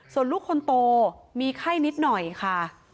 ส่วนลูกคนโตมีไข้นิดหน่อยค่ะ